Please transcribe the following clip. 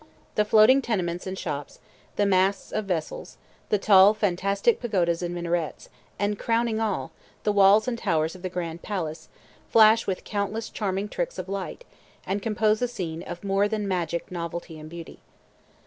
The floating tenements and shops, the masts of vessels, the tall, fantastic pagodas and minarets, and, crowning all, the walls and towers of the Grand Palace, flash with countless charming tricks of light, and compose a scene of more than magic novelty and beauty.